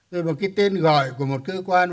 rồi một cái tên gọi của một cơ quan